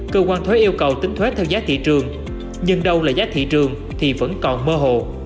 cơ quan thuế yêu cầu tính thuế theo giá thị trường nhưng đâu là giá thị trường thì vẫn còn mơ hồ